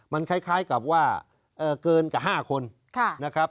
มันคล้ายกับว่าเกินกับ๕คนนะครับ